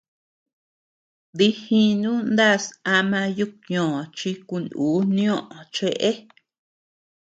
Dijínu ndás ama yukñò chi kunù nioʼö cheʼe.